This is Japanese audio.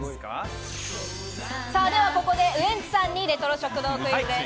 ではここでウエンツさんにレトロ食堂クイズです。